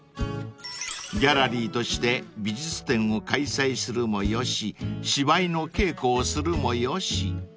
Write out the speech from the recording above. ［ギャラリーとして美術展を開催するもよし芝居の稽古をするもよし］